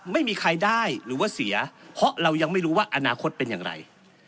ไม่มีใครได้หรือว่าเสียเพราะเรายังไม่รู้ว่าอนาคตเป็นอย่างไร